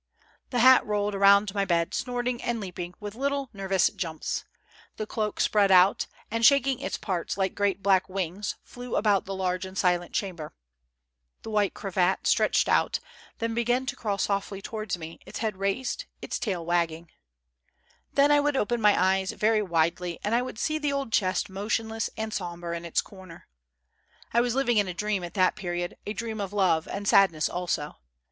Tiie hat rolled around my bed, snorting and leaping with little nervous jumps ; the cloak spread out, and, shaking its parts like great black wings, flew about the large and silent chamber; the white cravat stretched out, then began to crawl softly towards me, its head raised, its tail wagging. 810 MY NEIGHBOR JACQUES. Then, I would open my eyes very widely and would see the old chest motionless and sombre in its corner. I was living in a dream at that period, a dream of love and sadness also.